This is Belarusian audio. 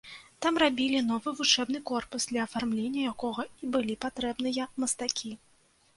Там рабілі новы вучэбны корпус, для афармлення якога і былі патрэбныя мастакі.